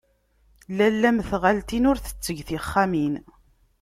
Lalla mm tɣaltin, ur tettegg tixxamin.